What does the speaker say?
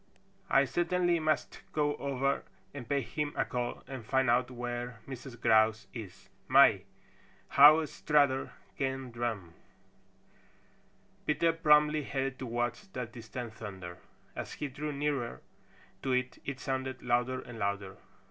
I certainly must go over and pay him a call and find out where Mrs. Grouse is. My, how Strutter can drum!" Peter promptly headed towards that distant thunder. As he drew nearer to it, it sounded louder and louder.